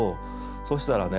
そしたらね